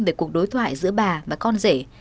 về cuộc đối thoại giữa bà và con rể